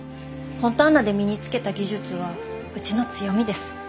フォンターナで身につけた技術はうちの強みです。